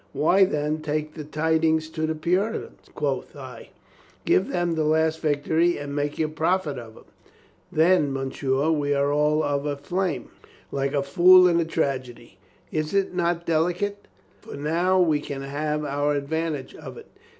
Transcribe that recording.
Why, then, take the tidings to the Puri tans, quoth I, give them the last victory and make your profit of it. Then monsieur was all of a flame, COLONEL STOW WARNS HIS FRIEND 229 like a fool in a tragedy. Is't not delicate? For now we can have our advantage of it.